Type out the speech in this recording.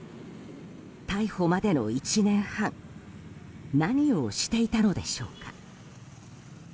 逮捕までの１年半何をしていたのでしょうか。